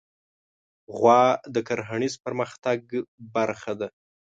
غوا د کرهڼیز پرمختګ برخه ده.